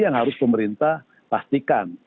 yang harus pemerintah pastikan